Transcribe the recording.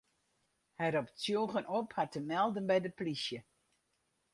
Hy ropt tsjûgen op har te melden by de plysje.